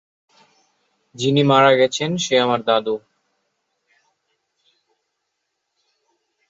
যিনি মারা গেছেন সে আমার দাদু।